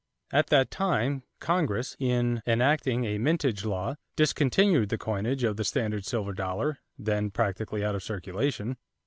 At that time, Congress, in enacting a mintage law, discontinued the coinage of the standard silver dollar, then practically out of circulation.